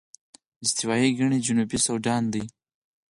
استوايي ګيني جنوبي سوډان دي.